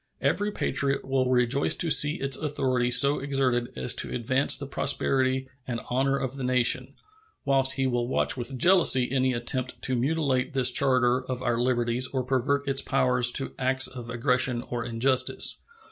Every patriot will rejoice to see its authority so exerted as to advance the prosperity and honor of the nation, whilst he will watch with jealousy any attempt to mutilate this charter of our liberties or pervert its powers to acts of aggression or injustice.